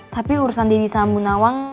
tapi urusan daddy sama bu nawang